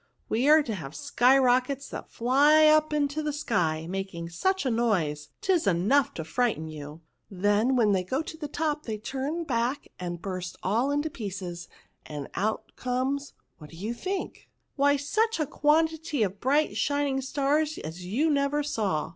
We are to have sky rockets that fly up into the sky, making such a noise, 'tis enough to jfrighten you ; then, when they go to the top, they turn back and burst all to pieces, and out comes — what do you think ?— why such a quantity of bright shining stars as you never saw